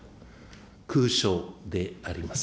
空将であります。